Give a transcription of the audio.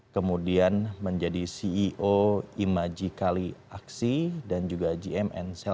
kemudian menjadi ceo imaji kali aksi dan juga gm